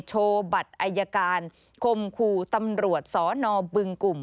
โชว์บัตรอายการคมคู่ตำรวจสนบึงกลุ่ม